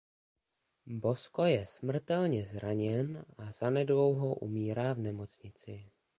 Bosco je smrtelně zraněn a zanedlouho umírá v nemocnici.